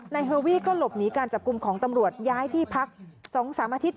เฮอรี่ก็หลบหนีการจับกลุ่มของตำรวจย้ายที่พัก๒๓อาทิตย